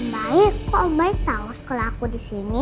mbaik kok mbaik tau sekolah aku di sini